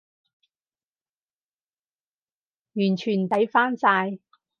完全抵返晒